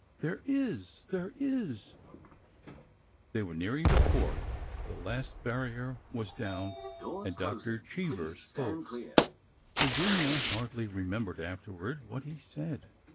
There is ! there is !" They were nearing the fork. The last barrier was down— and Dr. Cheever spoke. Virginia hardly remembered afterward what he said.